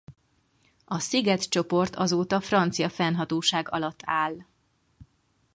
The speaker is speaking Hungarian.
A szigetcsoport azóta francia fennhatóság alatt áll.